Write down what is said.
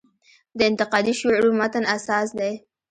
د انتقادي شعور و متن اساس دی.